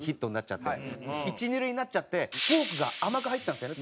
一二塁になっちゃってフォークが甘く入ったんですよね